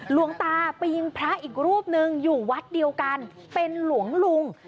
หลวงตาไปยิงพระอีกรูปนึงอยู่วัดเดียวกันเป็นหลวงลุง